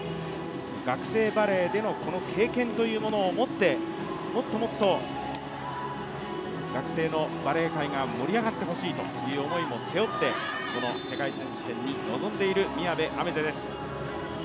学生バレーでの経験というものをもって、もっともっと学生のバレー界が盛り上がってほしいという思いも背負ってこの世界選手権に臨んでいる宮部愛芽世です。